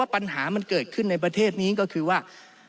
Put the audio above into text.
ปัญหามันเกิดขึ้นในประเทศนี้ก็คือว่า